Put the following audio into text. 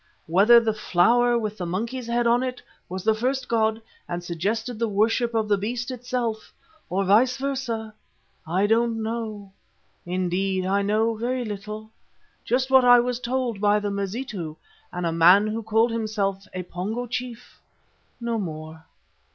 Whether the flower with the monkey's head on it was the first god and suggested the worship of the beast itself, or vice versa, I don't know. Indeed I know very little, just what I was told by the Mazitu and a man who called himself a Pongo chief, no more."